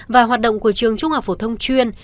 và hoạt động của trường trung học phổ thông chuyên